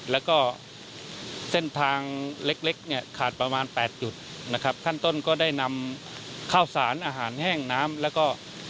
แล้วก็เส้นทางเล็กเล็กเนี่ยขาดประมาณ๘จุดนะครับขั้นต้นก็ได้นำข้าวสารอาหารแห้งน้ำแล้วก็